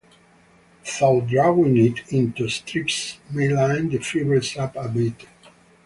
Though drawing it into strips may line the fibres up a bit.